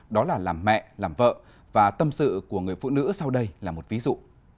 đó là làm mẹ làm vợ và tâm sự của người phụ nữ sau đây là một ví dụ